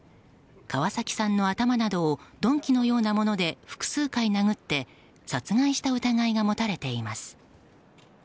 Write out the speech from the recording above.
川崎さんの頭などを鈍器のようなもので複数回殴って殺害した疑いが持たれています。